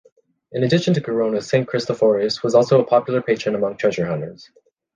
In addition to Corona, Saint Christophorus was also a popular patron among treasure hunters.